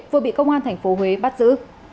vừa bị công an thành phố huế bắt giữ